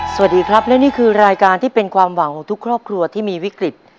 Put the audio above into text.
สวัสดีครับและนี่คือรายการที่เป็นความหวังของทุกครอบครัวที่มีวิกฤต